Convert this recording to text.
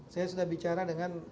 saya sudah bicara dengan